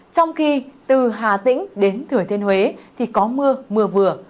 trong khi từ hà tĩnh đến thửa tiên huế thì có mưa mưa vừa